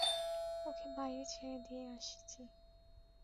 ওকে বাইরে ছেড়ে দিয়ে আসছি।